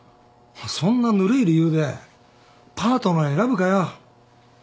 そんなぬるい理由でパートナー選ぶかよ。